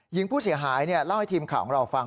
หญิงผู้เสียหายเล่าให้ทีมข่าวของเราฟัง